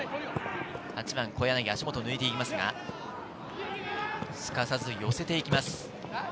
８番・小柳、足元を抜いていきますが、すかさず寄せて行きます。